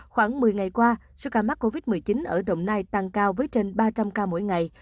khoảng một mươi ngày qua số ca mắc covid một mươi chín ở đồng nai tăng cao với trên ba trăm linh ca mỗi ngày